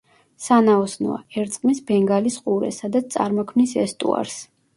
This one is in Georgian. სანაოსნოა, ერწყმის ბენგალის ყურეს, სადაც წარმოქმნის ესტუარს.